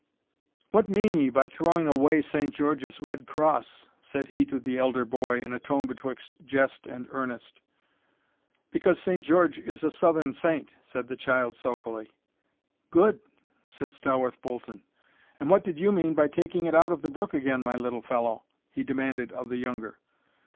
"What mean ye by throwing away Saint George's red cross?" said he to the elder boy, in a tone betwixt jest and earnest. "Because Saint George is a southern saint," said the child, sulkily. "Good" said Stawarth Bolton. "And what did you mean by taking it out of the brook again, my little fellow?" he demanded of the younger.